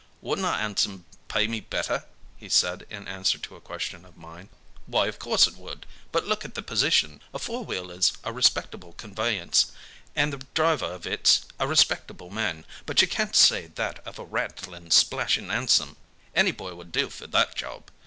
"Wouldn't a hansom pay me better?" he said, in answer to a question of mine. "Why, of course it would. But look at the position! A four wheeler's a respectable conveyance, and the driver of it's a respectable man, but you can't say that of a rattling, splashing 'ansom. Any boy would do for that job.